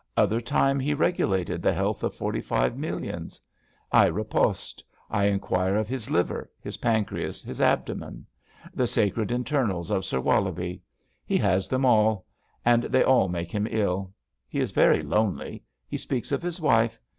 Other time he regulated the health of forty five millions. THE HISTORY OF A FALL 59 I riposte. I enquire of his liver— his pancreas, his abdomen. The sacred internals of Sir WoUobie I He has them all. And they all make him ill. He is very lonely. He speaks of his wife.